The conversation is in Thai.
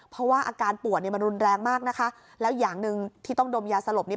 เพราะว่าอาการปวดเนี่ยมันรุนแรงมากนะคะแล้วอย่างหนึ่งที่ต้องดมยาสลบนี้